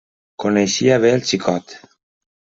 Coneixia bé el xicot.